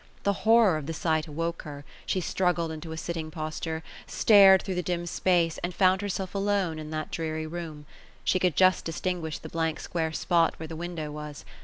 The horror of the sight awoke her; she struggled into a sitting posture, stared through the dim space, and found herself alone in that dreary room. She could just distinguish the blank square spot where the window was.